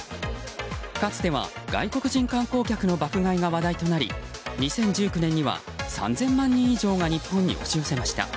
かつては外国人観光客の爆買いが話題となり２０１９年には３０００万人以上が日本に押し寄せました。